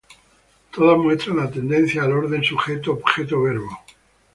Todas muestran la tendencia al orden Sujeto Objeto Verbo.